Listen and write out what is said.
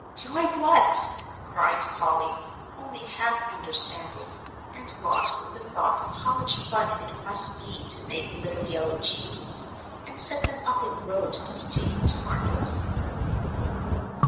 "Do I what?" cried Polly, only half understanding, and lost in the thought of how much fun it must be to make little yellow cheeses, and set them up in rows to be taken to market.